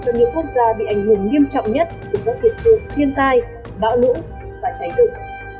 cho những quốc gia bị ảnh hưởng nghiêm trọng nhất của các thiệt vụ thiên tai bạo lũ và cháy rừng